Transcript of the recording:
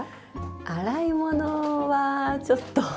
洗い物はちょっと。